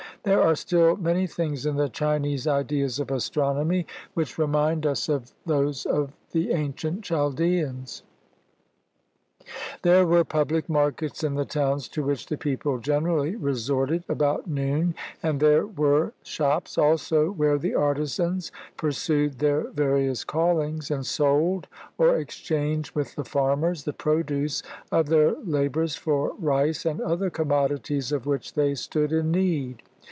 There are still many things in the Chinese ideas of astronomy which remind us of those of the ancient Chaldaeans. There were public markets in the towns to which the people generally resorted about noon; and there were 27 CHINA shops also, where the artisans pursued their various callings, and sold, or exchanged with the farmers the produce of their labors for rice and other commodities of which they stood in need.